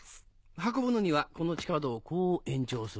運ぶのにはこの地下道をこう延長する。